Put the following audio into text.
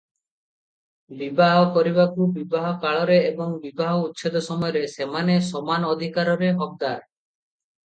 ବିବାହ କରିବାକୁ, ବିବାହ କାଳରେ ଏବଂ ବିବାହ ଉଚ୍ଛେଦ ସମୟରେ ସେମାନେ ସମାନ ଅଧିକାରରେ ହକଦାର ।